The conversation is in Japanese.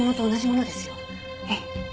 ええ。